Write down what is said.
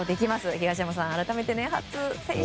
東山さん、改めて初選出。